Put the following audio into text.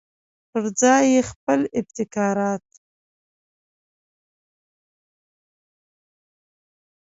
پرځای یې خپل ابتکارات.